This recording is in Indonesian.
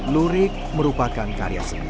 lurik merupakan karya seni